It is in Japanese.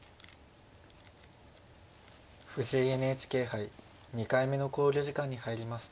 藤井ＮＨＫ杯２回目の考慮時間に入りました。